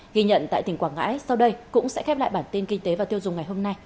ghi nhận tại tỉnh quảng ngãi sau đây cũng sẽ khép lại bản tin kinh tế và tiêu dùng ngày hôm nay